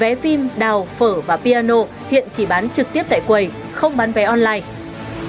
vé phim đào phở và piano hiện chỉ bán trực tiếp tại quầy không bán vé online